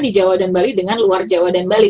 di jawa dan bali dengan luar jawa dan bali